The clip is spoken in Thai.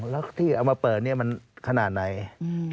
แล้วที่เอามาเปิดเนี่ยมันขนาดไหน